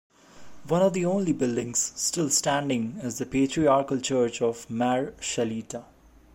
One of the only buildings still standing is the Patriarchal church of "Mar Shalita".